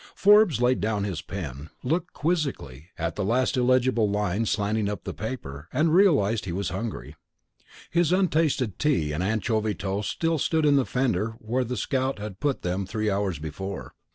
Forbes laid down his pen, looked quizzically at the last illegible lines slanting up the paper, and realized that he was hungry. His untasted tea and anchovy toast still stood in the fender where the scout had put them three hours before.